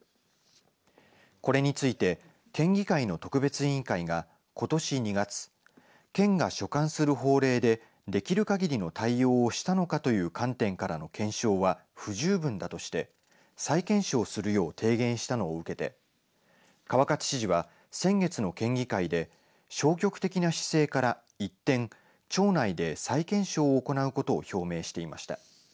これについて県議会の特別委員会がことし２月県が所管する法令でできる限りの対応をしたのかという観点からの検証は不十分だとして再検証するよう提言したのを受けて川勝知事は先月の県議会で消極的な姿勢から一転庁内で再検証を行うことを表明していました。